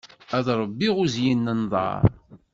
Ad ṛebbiɣ uzyin n nnḍer.